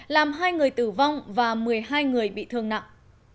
làm hai người tử vong và một mươi hai người bị thương nặng